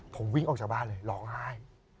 ผมวิ่งออกจากบ้านเลยหล่อง้าย